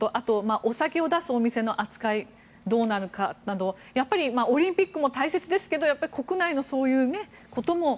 あとはお酒を出すお店の扱いがどうなるかなどオリンピックも大切ですが国内のそういうことも。